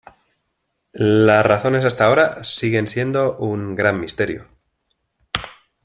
Las razones hasta ahora siguen siendo un gran misterio.